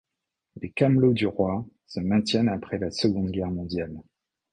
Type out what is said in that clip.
Les Camelots du roi se maintiennent après la seconde guerre mondiale.